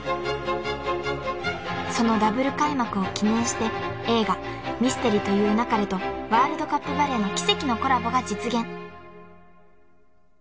［そのＷ開幕を記念して映画『ミステリと言う勿れ』とワールドカップバレーの奇跡のコラボが実現］